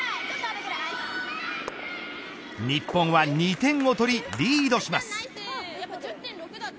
日本は２点を取りリードします。